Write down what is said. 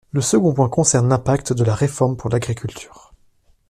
Le second point concerne l’impact de la réforme pour l’agriculture.